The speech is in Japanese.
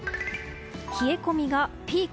冷え込みがピーク。